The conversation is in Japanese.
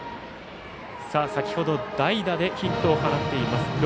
先ほど、代打でヒットを放っています